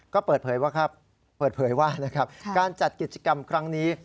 ก็เปิดเผยว่าการจัดกิจกรรมครั้งนี้